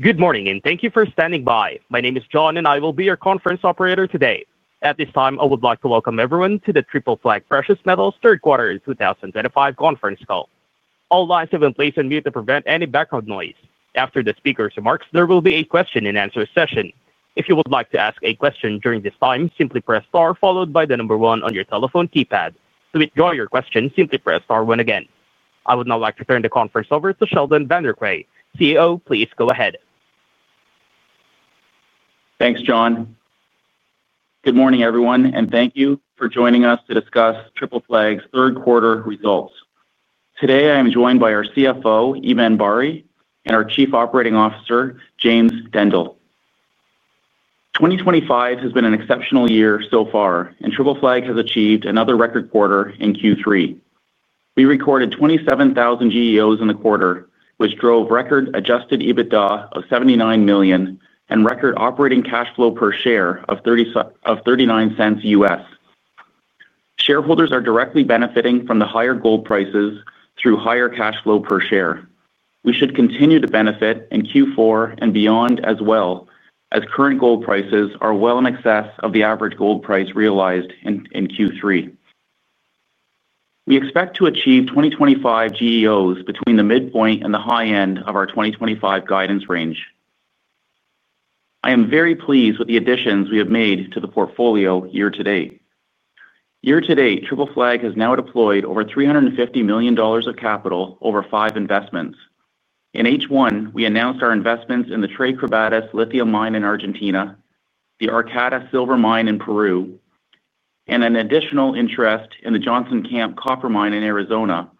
Good morning, and thank you for standing by. My name is John, and I will be your conference operator today. At this time, I would like to welcome everyone to the Triple Flag Precious Metals third quarter 2025 conference call. All lines have been placed on mute to prevent any background noise. After the speaker's remarks, there will be a question-and-answer session. If you would like to ask a question during this time, simply press star followed by the number one on your telephone keypad. To withdraw your question, simply press star one again. I would now like to turn the conference over to Sheldon Vanderkooy, CEO. Please go ahead. Thanks, John. Good morning, everyone, and thank you for joining us to discuss Triple Flag's third quarter results. Today, I am joined by our CFO, Eban Bari, and our Chief Operating Officer, James Dendle. 2025 has been an exceptional year so far, and Triple Flag has achieved another record quarter in Q3. We recorded 27,000 GEOs in the quarter, which drove record-adjusted EBITDA of $79 million and record operating cash flow per share of $0.39 U.S. Shareholders are directly benefiting from the higher gold prices through higher cash flow per share. We should continue to benefit in Q4 and beyond as well, as current gold prices are well in excess of the average gold price realized in Q3. We expect to achieve 2025 GEOs between the midpoint and the high end of our 2025 guidance range. I am very pleased with the additions we have made to the portfolio year-to-date. Year-to-date, Triple Flag has now deployed over $350 million of capital over five investments. In H1, we announced our investments in the Tres Quebradas lithium mine in Argentina, the Arcata silver mine in Peru, and an additional interest in the Johnson Camp copper mine in Arizona,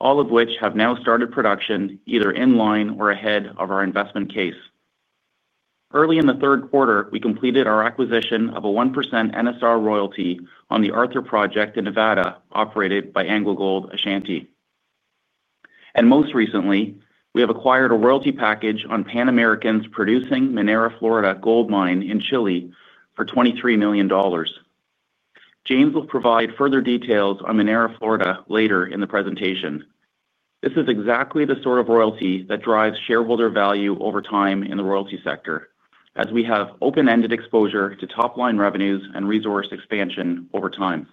all of which have now started production either in line or ahead of our investment case. Early in the third quarter, we completed our acquisition of a 1% NSR royalty on the Arthur project in Nevada operated by AngloGold Ashanti. Most recently, we have acquired a royalty package on Pan American's producing Minera Florida gold mine in Chile for $23 million. James will provide further details on Minera Florida later in the presentation. This is exactly the sort of royalty that drives shareholder value over time in the royalty sector, as we have open-ended exposure to top-line revenues and resource expansion over time.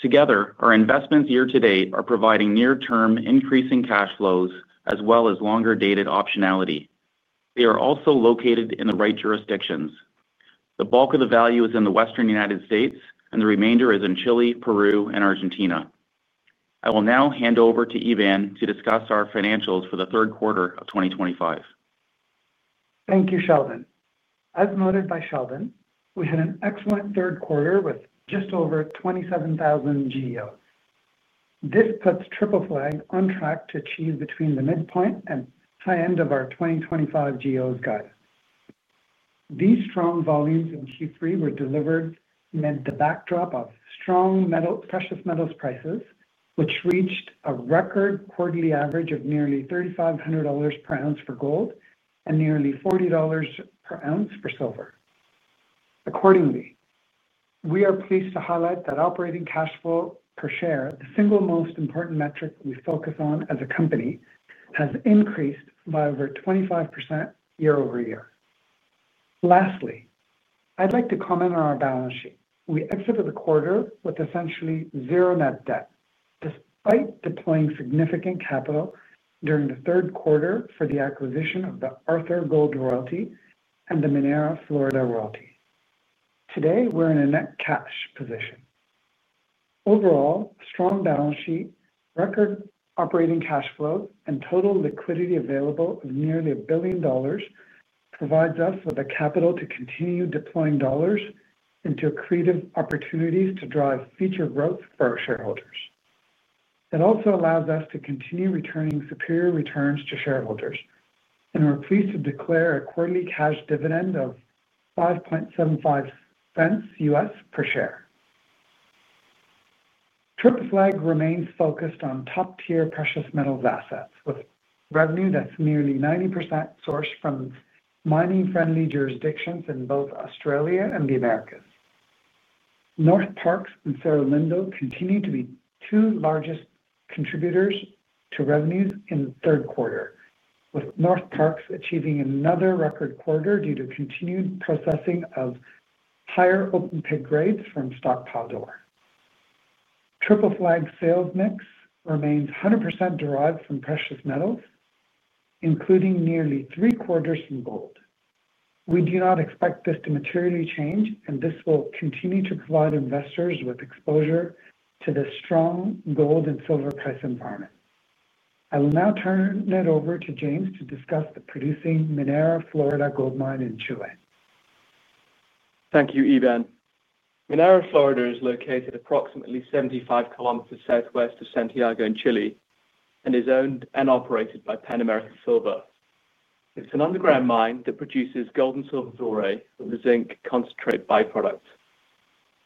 Together, our investments year-to-date are providing near-term increasing cash flows as well as longer-dated optionality. They are also located in the right jurisdictions. The bulk of the value is in the western United States, and the remainder is in Chile, Peru, and Argentina. I will now hand over to Eban to discuss our financials for the third quarter of 2025. Thank you, Sheldon. As noted by Sheldon, we had an excellent third quarter with just over 27,000 GEOs. This puts Triple Flag on track to achieve between the midpoint and high end of our 2025 GEOs guidance. These strong volumes in Q3 were delivered amid the backdrop of strong precious metals prices, which reached a record quarterly average of nearly $3,500 per ounce for gold and nearly $40 per ounce for silver. Accordingly, we are pleased to highlight that operating cash flow per share, the single most important metric we focus on as a company, has increased by over 25% year-over-year. Lastly, I'd like to comment on our balance sheet. We exited the quarter with essentially zero net debt, despite deploying significant capital during the third quarter for the acquisition of the Arthur gold royalty and the Minera Florida royalty. Today, we're in a net cash position. Overall, strong balance sheet, record operating cash flows, and total liquidity available of nearly a billion dollars provides us with the capital to continue deploying dollars into creative opportunities to drive future growth for our shareholders. It also allows us to continue returning superior returns to shareholders, and we're pleased to declare a quarterly cash dividend of $5.75 U.S. per share. Triple Flag remains focused on top-tier precious metals assets with revenue that's nearly 90% sourced from mining-friendly jurisdictions in both Australia and the Americas. Northparkes and Cerro Lindo continue to be two largest contributors to revenues in the third quarter, with Northparkes achieving another record quarter due to continued processing of higher open-pit grades from stockpile ore. Triple Flag's sales mix remains 100% derived from Precious Metals including nearly three quarters from gold. We do not expect this to materially change, and this will continue to provide investors with exposure to the strong gold and silver price environment. I will now turn it over to James to discuss the producing Minera Florida gold mine in Chile. Thank you, Eban. Minera Florida, is located approximately 75 km southwest of Santiago in Chile and is owned and operated by Pan American Silver. It's an underground mine that produces gold and silver doré with a zinc concentrate byproduct.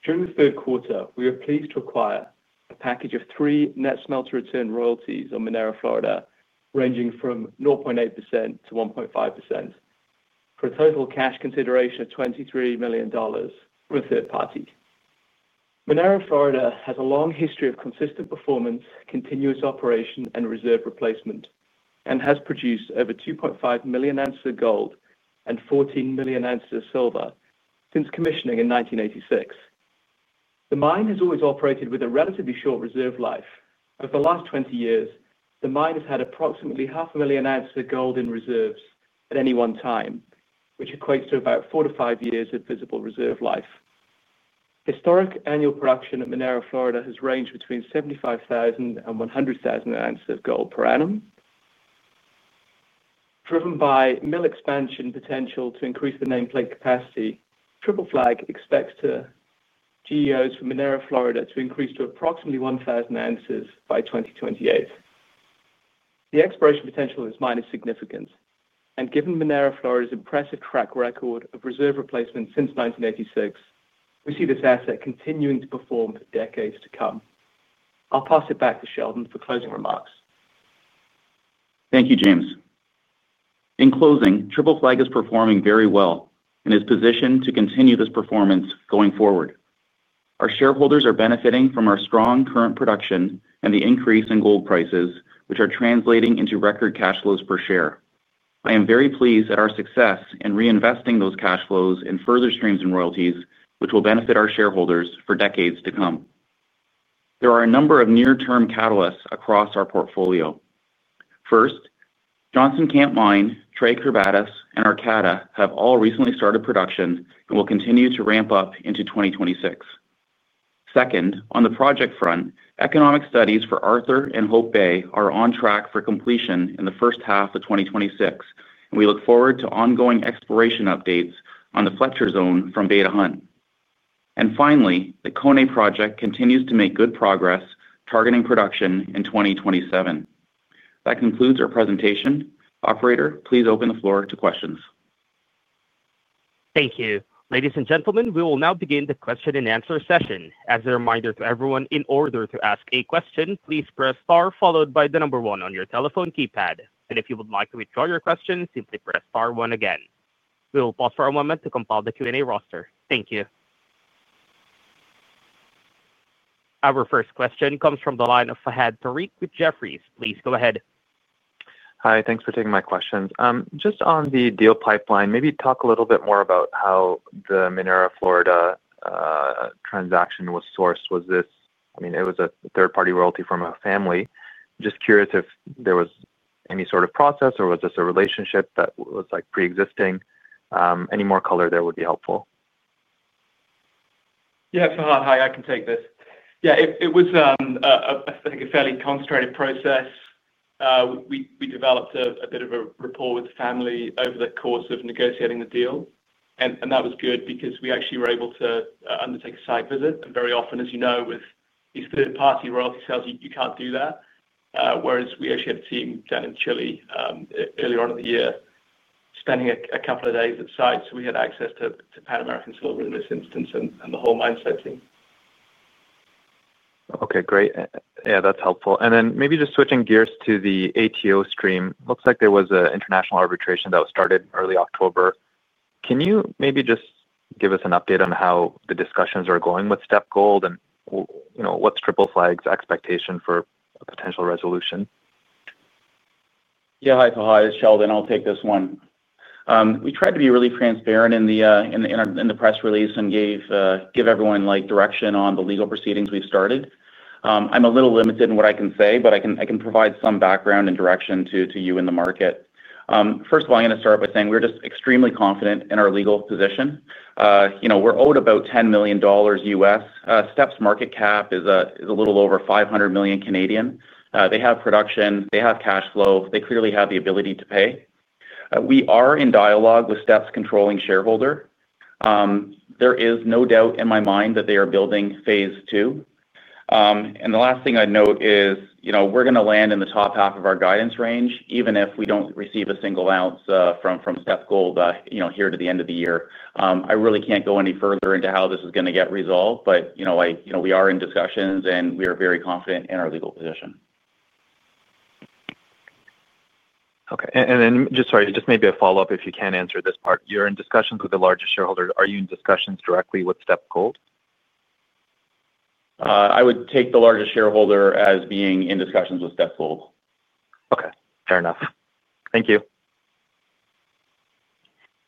During the third quarter, we were pleased to acquire a package of three net smelter return royalties on Minera Florida, ranging from 0.8%-1.5%. For a total cash consideration of $23 million with a third party. Minera Florida, has a long history of consistent performance, continuous operation, and reserve replacement, and has produced over 2.5 million ounces of gold and 14 million ounces of silver since commissioning in 1986. The mine has always operated with a relatively short reserve life. Over the last 20 years, the mine has had approximately half a million ounces of gold in reserves at any one time, which equates to about four to five years of visible reserve life. Historic annual production at Minera Florida, has ranged between 75,000 and 100,000 ounces of gold per annum. Driven by mill expansion potential to increase the nameplate capacity, Triple Flag expects the GEOs for Minera Florida, to increase to approximately 1,000 ounces by 2028. The exploration potential of this mine is significant, and given Minera Florida's impressive track record of reserve replacement since 1986, we see this asset continuing to perform for decades to come. I'll pass it back to Sheldon for closing remarks. Thank you, James. In closing, Triple Flag is performing very well and is positioned to continue this performance going forward. Our shareholders are benefiting from our strong current production and the increase in gold prices, which are translating into record cash flows per share. I am very pleased at our success in reinvesting those cash flows in further streams and royalties, which will benefit our shareholders for decades to come. There are a number of near-term catalysts across our portfolio. First, Johnson Camp Mine, Trey Crucus, and Arcata have all recently started production and will continue to ramp up into 2026. Second, on the project front, economic studies for Arthur and Hope Bay are on track for completion in the first half of 2026, and we look forward to ongoing exploration updates on the Fletcher Zone from Beta Hunt. And finally, the Koné project continues to make good progress targeting production in 2027. That concludes our presentation. Operator, please open the floor to questions. Thank you. Ladies and gentlemen, we will now begin the question-and-answer session. As a reminder to everyone, in order to ask a question, please press star followed by the number one on your telephone keypad. And if you would like to withdraw your question, simply press star one again. We will pause for a moment to compile the Q&A roster. Thank you. Our first question comes from the line of Fahad Tariq with Jefferies. Please go ahead. Hi, thanks for taking my questions. Just on the deal pipeline, maybe talk a little bit more about how the Minera Florida Transaction was sourced. I mean, it was a third-party royalty from a family. Just curious if there was any sort of process or was this a relationship that was pre-existing. Any more color there would be helpful. Yeah, Fahad, hi, I can take this. Yeah, it was a fairly concentrated process. We developed a bit of a rapport with the family over the course of negotiating the deal. And that was good because we actually were able to undertake a site visit and very often, as you know, with these third-party royalty sales, you can't do that. Whereas we actually had a team down in Chile earlier on in the year spending a couple of days at sites. So we had access to Pan American Silver in this instance and the whole mindset team. Okay, great. Yeah, that's helpful. And then maybe just switching gears to the ATO stream, it looks like there was an international arbitration that was started early October. Can you maybe just give us an update on how the discussions are going with Step Gold and what's Triple Flag's expectation for a potential resolution? Yeah, hi, Fahad, it's Sheldon. I'll take this one. We tried to be really transparent in the press release and gave everyone direction on the legal proceedings we've started. I'm a little limited in what I can say, but I can provide some background and direction to you in the market. First of all, I'm going to start by saying we're just extremely confident in our legal position. We're owed about $10 million U.S. Our step's market cap is a little over 500 million Canadian. They have production, they have cash flow, they clearly have the ability to pay. We are in dialogue with Step's controlling shareholder. There is no doubt in my mind that they are building phase two. And the last thing I'd note is we're going to land in the top half of our guidance range, even if we don't receive a single ounce from Step Gold here to the end of the year. I really can't go any further into how this is going to get resolved, but we are in discussions and we are very confident in our legal position. Okay. And then just sorry, just maybe a follow-up if you can't answer this part. You're in discussions with the largest shareholder. Are you in discussions directly with Step Gold? I would take the largest shareholder as being in discussions with Step Gold. Okay. Fair enough. Thank you.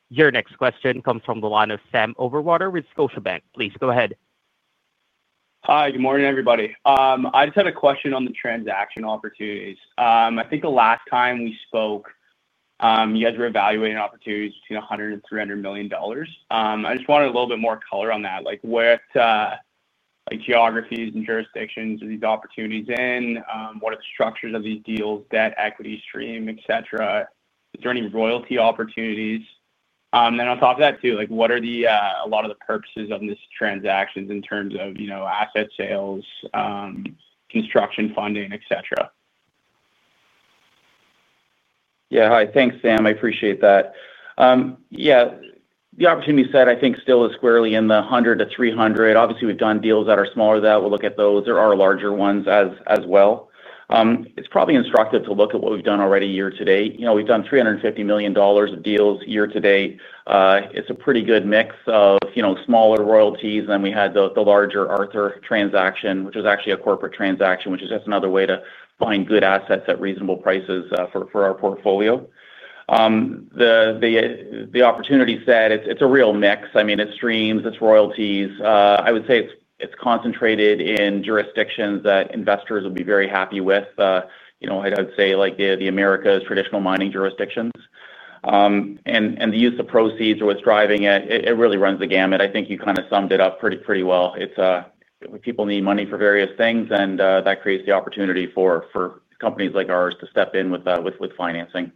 Your next question comes from the line of Sam Overwater with Scotiabank. Please go ahead. Hi, good morning, everybody. I just had a question on the transaction opportunities. I think the last time we spoke, you guys were evaluating opportunities between $100 and $300 million. I just wanted a little bit more color on that. Where geographies and jurisdictions are these opportunities in? What are the structures of these deals, debt, equity stream, et cetera? Is there any royalty opportunities? And then on top of that too, what are a lot of the purposes of this transaction in terms of asset sales, construction funding, et cetera? Yeah, hi, thanks, Sam. I appreciate that. Yeah, the opportunity you said, I think still is squarely in the 100-300. Obviously, we've done deals that are smaller than that. We'll look at those. There are larger ones as well. It's probably instructive to look at what we've done already year-to-date. We've done $350 million of deals year-to-date. It's a pretty good mix of smaller royalties, and then we had the larger Arthur transaction, which was actually a corporate transaction, which is just another way to find good assets at reasonable prices for our portfolio. The opportunity said it's a real mix. I mean, it's streams, it's royalties. I would say it's concentrated in jurisdictions that investors would be very happy with. I'd say the America's traditional mining jurisdictions. And the use of proceeds or what's driving it, it really runs the gamut.I think you kind of summed it up pretty well. People need money for various things, and that creates the opportunity for companies like ours to step in with financing.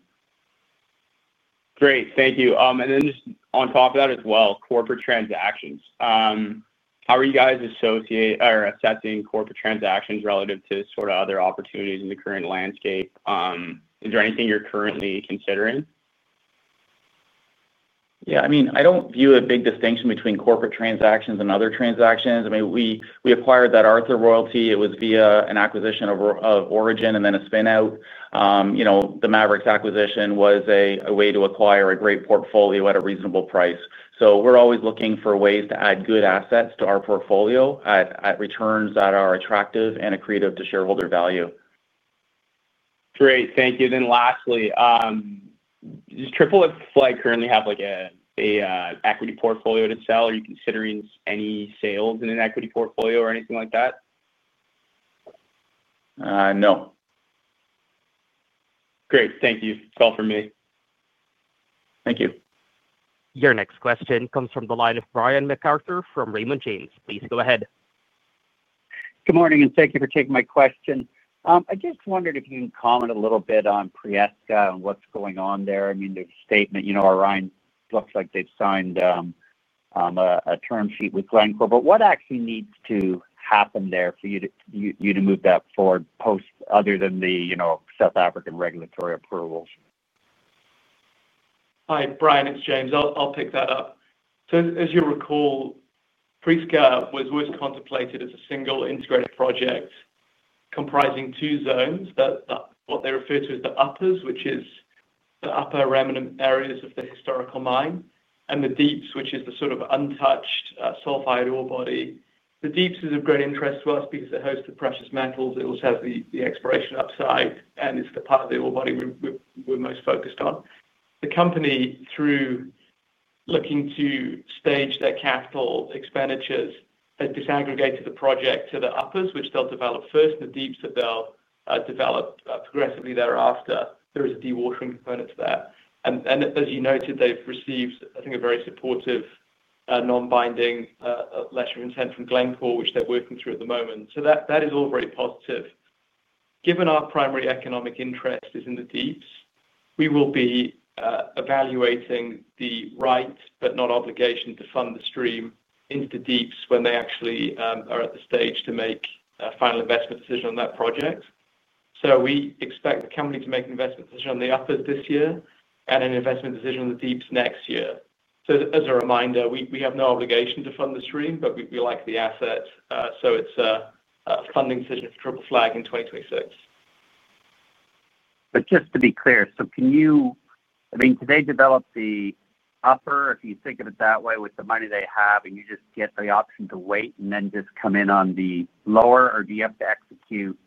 Great. Thank you. And then just on top of that as well, corporate transactions. How are you guys assessing corporate transactions relative to sort of other opportunities in the current landscape? Is there anything you're currently considering? Yeah, I mean, I don't view a big distinction between corporate transactions and other transactions. I mean, we acquired that Arthur royalty. It was via an acquisition of Origin and then a spin-out. The Maverix acquisition was a way to acquire a great portfolio at a reasonable price. So we're always looking for ways to add good assets to our portfolio at returns that are attractive and accretive to shareholder value. Great. Thank you. Then lastly, does Triple Flag currently have an equity portfolio to sell? Are you considering any sales in an equity portfolio or anything like that? No. Great. Thank you. That's all from me. Thank you. Your next question comes from the line of Brian McArthur from Raymond James. Please go ahead. Good morning and thank you for taking my question. I just wondered if you can comment a little bit on Prieska and what's going on there. I mean, there's a statement, Ryan, looks like they've signed a term sheet with Glencore, but what actually needs to happen there for you to move that forward post other than the South African regulatory approvals? Hi, Brian, it's James. I'll pick that up. So as you'll recall, Prieska was always contemplated as a single integrated project comprising two zones. What they refer to as the uppers, which is the upper remnant areas of the historical mine, and the deeps, which is the sort of untouched sulfide ore body. The deeps is of great interest to us because it hosts the precious metals. It also has the exploration upside, and it's the part of the ore body we're most focused on. The company, through looking to stage their capital expenditures, has disaggregated the project to the uppers, which they'll develop first, and the deeps that they'll develop progressively thereafter there is a dewatering component to that. And as you noted, they've received, I think, a very supportive, non-binding letter of intent from Glencore, which they're working through at the moment. So that is all very positive. Given our primary economic interest is in the deeps, we will be evaluating the right, but not obligation, to fund the stream into the deeps when they actually are at the stage to make a final investment decision on that project. So we expect the company to make an investment decision on the uppers this year and an investment decision on the deeps next year. So as a reminder, we have no obligation to fund the stream, but we like the assets. So it's a funding decision for Triple Flag in 2026. But just to be clear, so can you, I mean, did they develop the upper, if you think of it that way, with the money they have, and you just get the option to wait and then just come in on the lower, or do you have to execute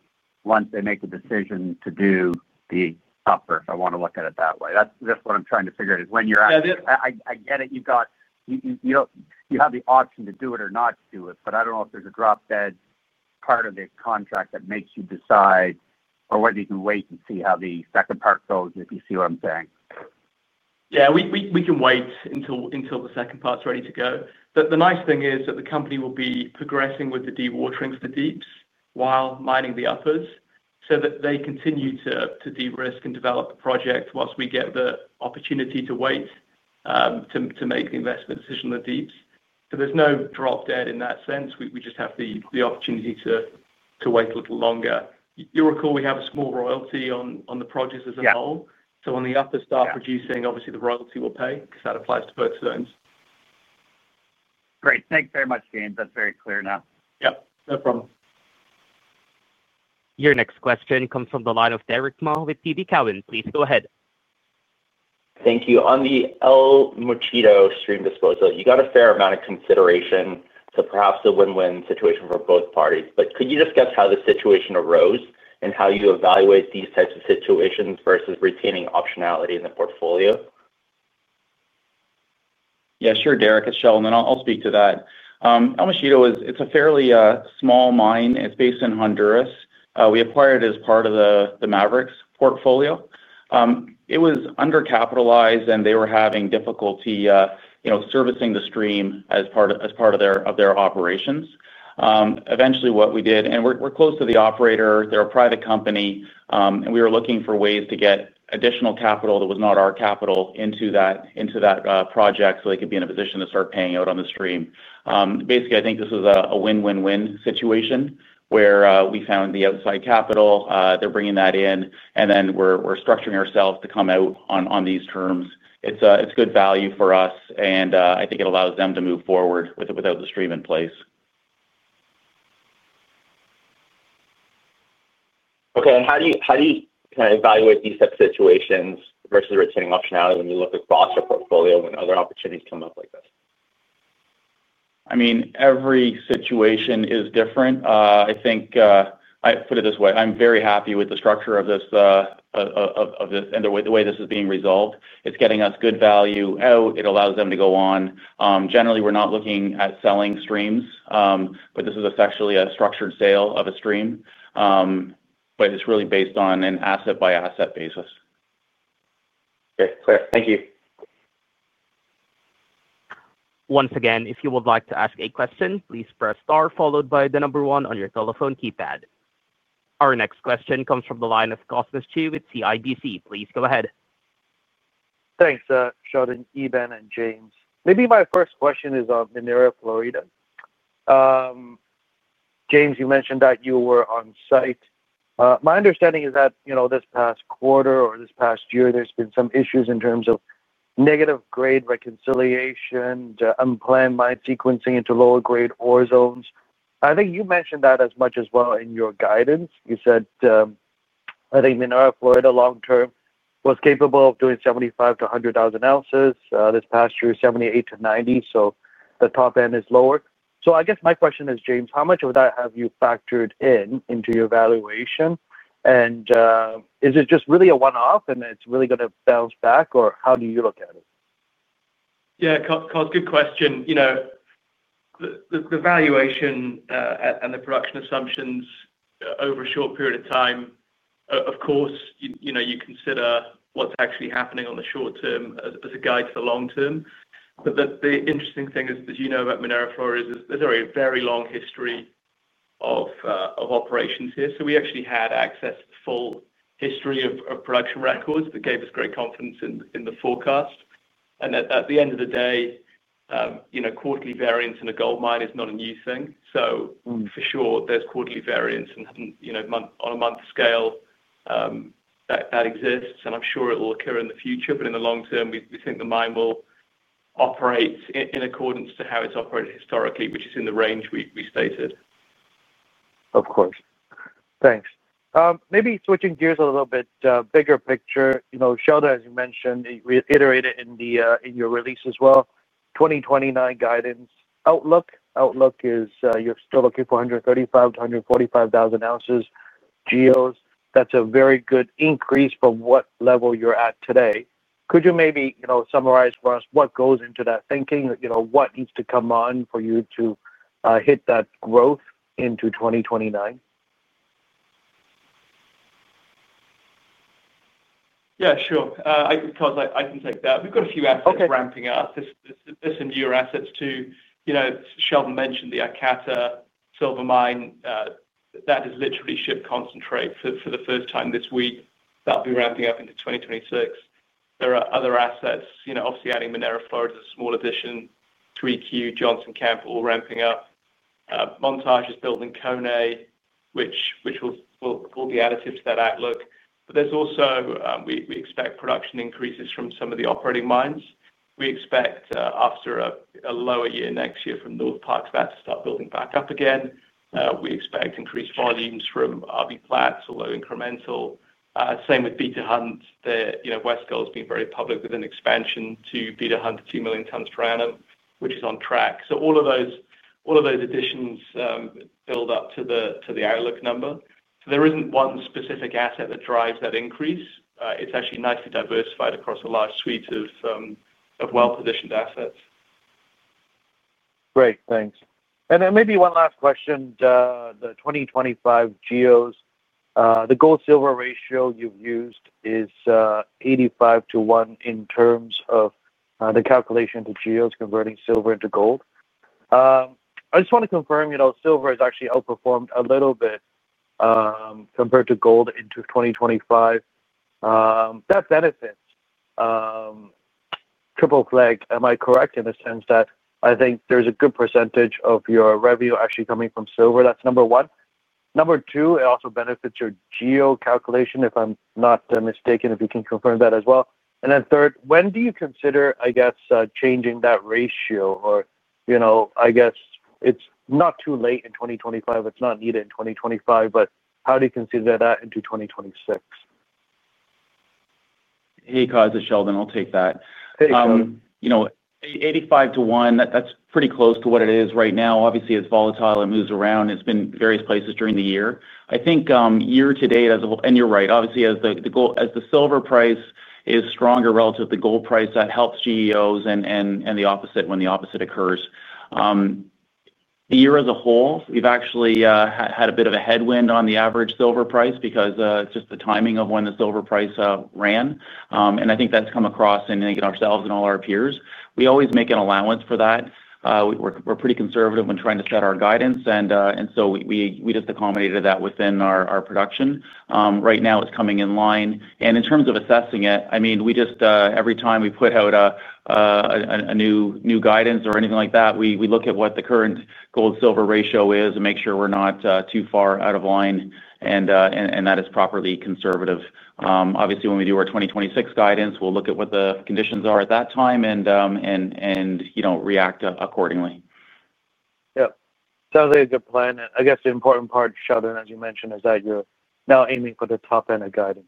once they make the decision to do the upper? If I want to look at it that way. That's what I'm trying to figure out is when you're at I get it. You have the option to do it or not to do it, but I don't know if there's a drop-dead part of the contract that makes you decide or whether you can wait and see how the second part goes, if you see what I'm saying. Yeah, we can wait until the second part's ready to go. The nice thing is that the company will be progressing with the dewatering for the deeps while mining the uppers so that they continue to de-risk and develop the project whilst we get the opportunity to wait to make the investment decision on the deeps. So there's no drop-dead in that sense. We just have the opportunity to wait a little longer. You'll recall we have a small royalty on the projects as a whole. So when the uppers start producing, obviously, the royalty will pay because that applies to both zones. Great. Thanks very much, James. That's very clear now. Yep. No problem. Your next question comes from the line of Derick Ma with TD Cowen. Please go ahead. Thank you. On the El Mochito stream disposal, you got a fair amount of consideration to perhaps a win-win situation for both parties. But could you discuss how the situation arose and how you evaluate these types of situations versus retaining optionality in the portfolio? Yeah, sure, Derick. It's Sheldon, I'll speak to that. El Mochito, it's a fairly small mine. It's based in Honduras. We acquired it as part of the Maverix portfolio. It was undercapitalized, and they were having difficulty servicing the stream as part of their operations. Eventually, what we did, and we're close to the operator, they're a private company, and we were looking for ways to get additional capital that was not our capital into that project so they could be in a position to start paying out on the stream. Basically, I think this was a win-win-win situation where we found the outside capital, they're bringing that in, and then we're structuring ourselves to come out on these terms. It's good value for us, and I think it allows them to move forward without the stream in place. Okay. And how do you kind of evaluate these types of situations versus retaining optionality when you look across your portfolio when other opportunities come up like this? I mean, every situation is different. I think, I'll put it this way. I'm very happy with the structure of the way this is being resolved. It's getting us good value out. It allows them to go on. Generally, we're not looking at selling streams, but this is essentially a structured sale of a stream. But it's really based on an asset-by-asset basis. Okay. Clear. Thank you. Once again, if you would like to ask a question, please press star followed by the number one on your telephone keypad. Our next question comes from the line of Cosmos Chiu with CIBC. Please go ahead. Thanks, Sheldon, Eban, and James. Maybe my first question is on Minera Florida. James, you mentioned that you were on site. My understanding is that this past quarter or this past year, there's been some issues in terms of negative grade reconciliation, unplanned mine sequencing into lower grade ore zones. I think you mentioned that as much as well in your guidance. You said, I think Minera Florida, long-term, was capable of doing 75,000-100,000 ounces, this past year, 78,000-90,000, so the top end is lower. So I guess my question is, James, how much of that have you factored into your valuation? And is it just really a one-off, and it's really going to bounce back, or how do you look at it? Yeah, Cos, good question. The valuation and the production assumptions over a short period of time, of course, you consider what's actually happening on the short term as a guide to the long term. But the interesting thing is, as you know about Minera Florida, there's a very long history of operations here. So we actually had access to the full history of production records that gave us great confidence in the forecast. And at the end of the day, quarterly variance in a gold mine is not a new thing. So for sure, there's quarterly variance on a month scale. That exists, and I'm sure it will occur in the future. But in the long term, we think the mine will operate in accordance to how it's operated historically, which is in the range we stated. Of course. Thanks. Maybe switching gears a little bit, bigger picture. Sheldon, as you mentioned, we iterated in your release as well, 2029 guidance. Outlook is you're still looking for 135,000-145,000 ounces GEOs. That's a very good increase from what level you're at today. Could you maybe summarize for us what goes into that thinking? What needs to come on for you to hit that growth into 2029? Yeah, sure. Cos, I can take that. We've got a few assets ramping up. This is newer assets too. Sheldon mentioned the Arcata Silver Mine. That is literally ship concentrate for the first time this week that'll be ramping up into 2026. There are other assets, obviously adding Minera Florida as a small addition, 3Q, Johnson Camp, all ramping up. Montage is building Koné, which will be additive to that outlook. But there's also, we expect production increases from some of the operating mines. We expect after a lower year next year from Northparkes to start building back up again. We expect increased volumes from RBPlat or low incremental. Same with Beta Hunt, West Coast has been very public with an expansion to Beta Hunt, 2 million tons per annum, which is on track. So all of those additions build up to the outlook number. So there isn't one specific asset that drives that increase. It's actually nicely diversified across a large suite of well-positioned assets. Great. Thanks. And then maybe one last question. The 2025 GEOs, the gold-silver ratio you've used is 85/1 in terms of the calculation to geos converting silver into gold. I just want to confirm silver has actually outperformed a little bit compared to gold in 2025. That benefits Triple Flag, am I correct in the sense that I think there's a good percentage of your revenue actually coming from silver? That's number one. Number two, it also benefits your GEO calculation, if I'm not mistaken, if you can confirm that as well. And then third, when do you consider, I guess, changing that ratio? Or I guess it's not too late in 2025, it's not needed in 2025, but how do you consider that into 2026? Hey, Cos, this is Sheldon. I'll take that. 85/1, that's pretty close to what it is right now. Obviously, it's volatile. It moves around. It's been various places during the year. I think year-to-date, and you're right, obviously, as the silver price is stronger relative to the gold price, that helps GEOs and the opposite when the opposite occurs. The year as a whole, we've actually had a bit of a headwind on the average silver price because it's just the timing of when the silver price ran. And I think that's come across in ourselves and all our peers. We always make an allowance for that. We're pretty conservative when trying to set our guidance, and so we just accommodated that within our production. Right now, it's coming in line. And in terms of assessing it, I mean, every time we put out a new guidance or anything like that, we look at what the current gold-silver ratio is and make sure we're not too far out of line, and that is properly conservative. Obviously, when we do our 2026 guidance, we'll look at what the conditions are at that time and react accordingly. Yep. Sounds like a good plan. I guess the important part, Sheldon, as you mentioned, is that you're now aiming for the top-end of guidance,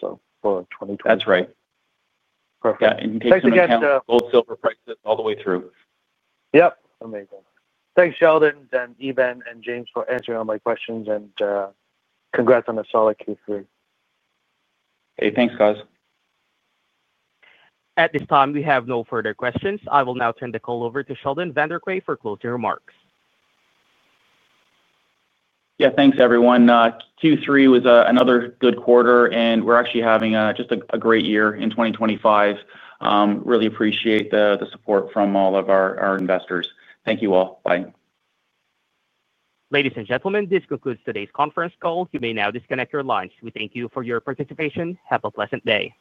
so for 2026. That's right. Perfect. Thanks again. Yeah. And take care of gold-silver prices all the way through. Yep. Amazing. Thanks, Sheldon, and Eban, and James, for answering all my questions, and congrats on a solid Q3. Hey, thanks, guys. At this time, we have no further questions. I will now turn the call over to Sheldon Vanderkooy for closing remarks. Yeah, thanks, everyone. Q3 was another good quarter, and we're actually having just a great year in 2025. Really appreciate the support from all of our investors. Thank you all. Bye. Ladies and gentlemen, this concludes today's conference call. You may now disconnect your lines. We thank you for your participation, have a pleasant day.